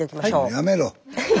やめろ！